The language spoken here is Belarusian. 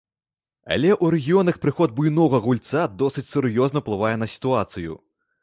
Але ў рэгіёнах прыход буйнога гульца досыць сур'ёзна ўплывае на сітуацыю.